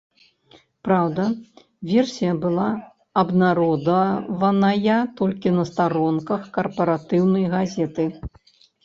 Праўда, версія была абнародаваная толькі на старонках карпаратыўнай газеты.